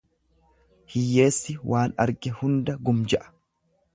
Hiyyeessi waan arge hunda gumja'a.